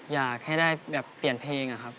อยากให้ได้แบบเปลี่ยนเพลงอะครับ